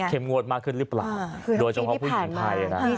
งวดมากขึ้นหรือเปล่าโดยเฉพาะผู้หญิงไทยนะ